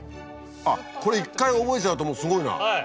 あっこれ１回覚えちゃうともうすごいな。